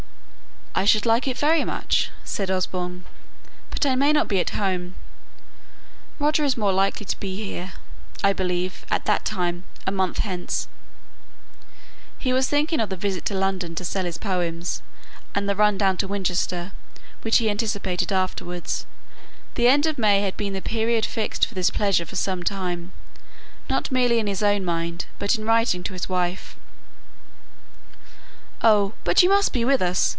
"I should like it very much," said Osborne; "but I may not be at home. Roger is more likely to be here, I believe, at that time a month hence." He was thinking of the visit to London to sell his poems, and the run down to Winchester which he anticipated afterwards the end of May had been the period fixed for this pleasure for some time, not merely in his own mind, but in writing to his wife. "Oh, but you must be with us!